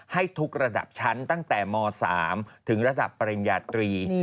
ให้ทุกระดับชั้นตั้งแต่ม๓ถึงระดับปริญญาตรี